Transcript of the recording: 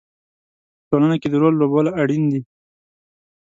په ټولنه کې د رول لوبول اړین دي.